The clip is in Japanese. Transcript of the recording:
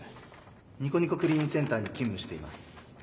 ニコニコクリーンセンターに勤務しています。